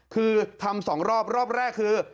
คือทำ๒รอบรอบแรกคือ